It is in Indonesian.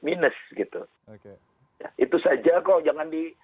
minus gitu ya itu saja kok jangan di